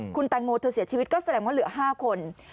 คุณแตงโมเธอเสียชีวิตก็แสดงว่าเหลือ๕คน